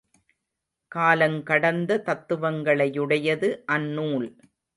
காலங்கடந்த தத்துவங்களையுடையது அந்நூல்.